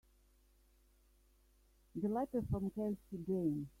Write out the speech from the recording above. The letter from Kelsey Jane.